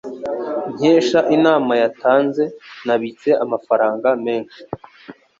Nkesha inama yatanze, nabitse amafaranga menshi.